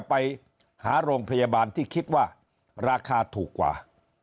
ไปหาโรงพยาบาลที่คิดว่าราคาถูกกว่า